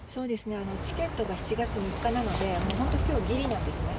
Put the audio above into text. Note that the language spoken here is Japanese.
チケットが７月３日なので、本当に今日ギリなんですね。